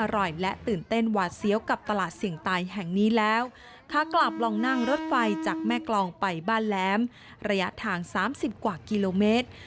ระยะทาง๓๐กว่ากิโลเมตร